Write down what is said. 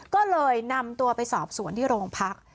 ก็เลยนำตัวไปสอบสวนที่โรงพัก